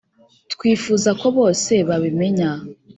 Twifuza ko bose babimenya